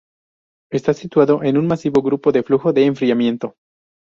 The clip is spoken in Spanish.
Está situado en un masivo grupo de flujo de enfriamiento.